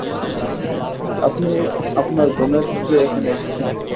আপনি আপনার বোনের খুঁজে এখানে এসেছেন।